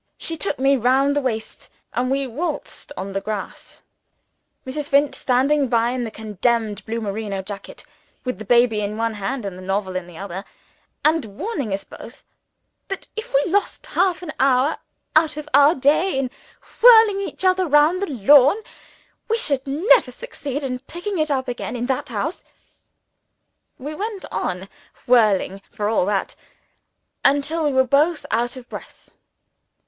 She took me round the waist, and we waltzed on the grass Mrs. Finch standing by in the condemned blue merino jacket (with the baby in one hand and the novel in the other), and warning us both that if we lost half an hour out of our day, in whirling each other round the lawn, we should never succeed in picking it up again in that house. We went on whirling, for all that, until we were both out of breath.